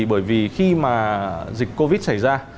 bởi vì khi mà dịch covid xảy ra